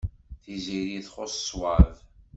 Tiziri txuṣṣ ṣṣwab.